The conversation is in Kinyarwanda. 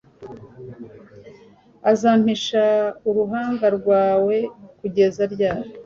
uzampisha uruhanga rwawe kugeza ryari